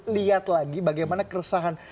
lihat lagi bagaimana keresahan